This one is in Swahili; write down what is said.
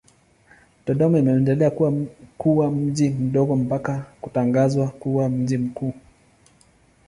Dodoma imeendelea kuwa mji mdogo mpaka kutangazwa kuwa mji mkuu.